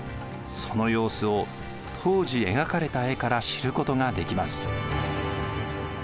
その様子を当時描かれた絵から知ることができます。